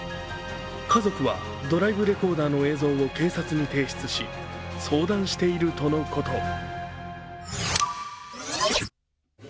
家族はドライブレコーダーの映像を警察に提出し、相談しているとのこと。